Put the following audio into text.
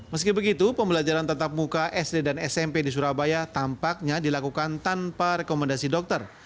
meski begitu pembelajaran tatap muka sd dan smp di surabaya tampaknya dilakukan tanpa rekomendasi dokter